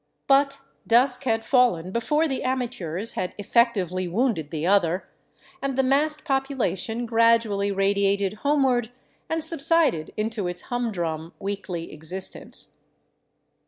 But dusk had fallen before the amateurs had effectively wounded the other, and the massed population gradually radiated homeward and subsided into its humdrum weekly existence.